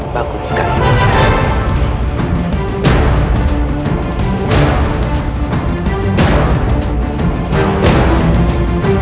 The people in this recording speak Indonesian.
bagus bagus sekali